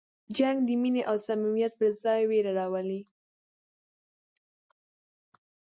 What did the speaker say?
جنګ د مینې او صمیمیت پر ځای وېره راولي.